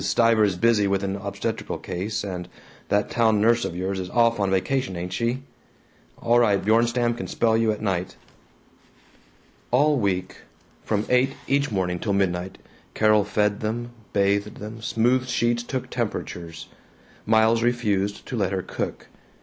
Stiver is busy with an obstetrical case, and that town nurse of yours is off on vacation, ain't she? All right, Bjornstam can spell you at night." All week, from eight each morning till midnight, Carol fed them, bathed them, smoothed sheets, took temperatures. Miles refused to let her cook.